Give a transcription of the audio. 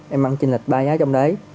em mang trên lệch ba giá trong đấy